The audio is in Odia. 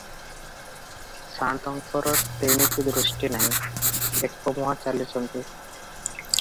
ସାଆନ୍ତଙ୍କର ତେଣିକି ଦୃଷ୍ଟି ନାହିଁ, ଏକମୁହାଁ ଚାଲିଛନ୍ତି ।